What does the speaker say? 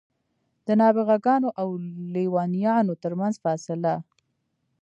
د نابغه ګانو او لېونیانو ترمنځ فاصله.